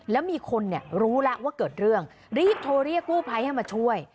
แล้วมีคนเนี่ยรู้แล้วว่าเกิดเรื่องรีบโทรเรียกกู้ภัยให้มาช่วย